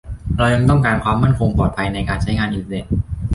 เรายังต้องการความมั่นคงปลอดภัยในการใช้งานอินเทอร์เน็ต